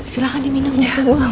silahkan diminum semua